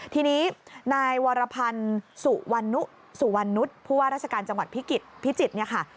ทีนี้นายวรพันธุ์สุวรรณุฑผู้ว่าราชการจังหวัดพิจิตรค่ะ